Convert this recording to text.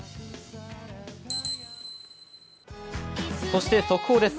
そして速報です。